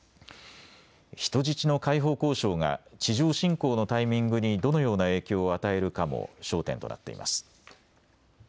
人質の解放交渉が地上侵攻のタイミングにどのような影響を与えるかも焦点となっています。